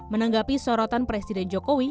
menanggapi sorotan presiden jokowi